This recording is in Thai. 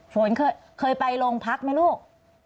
ฝนเคยไปโรงพักไหมลูก